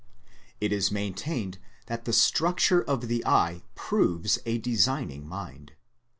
It is maintained that the structure of the eye proves a designing mind.